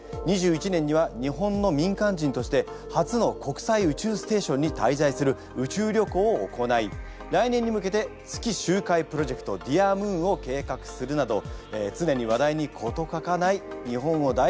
２１年には日本の民間人として初の国際宇宙ステーションに滞在する宇宙旅行を行い来年に向けて月周回プロジェクト「ｄｅａｒＭｏｏｎ」を計画するなどつねに話題に事欠かない日本を代表する実業家であります。